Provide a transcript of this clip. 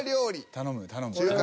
頼む頼む。